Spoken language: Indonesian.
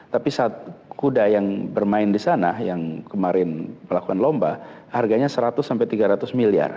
tapi saat kuda yang bermain di sana yang kemarin melakukan lomba harganya seratus sampai tiga ratus miliar